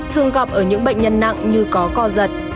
thường gặp ở những bệnh nhân nặng như có co giật